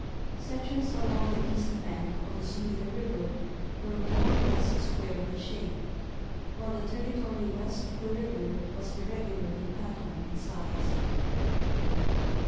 Sections along the east bank of the Sumida River were (more or less) square in shape, while the territory west of the river was irregular in pattern and size.